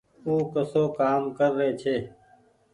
او ڪسو ڪآم ڪرري ڇي